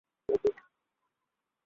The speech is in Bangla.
আমিও কি তোর সাথে শুবো?